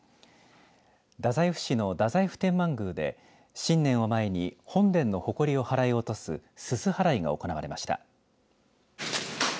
太宰府市の太宰府天満宮で新年を前に本殿のほこりを払い落とすすす払いが行われました。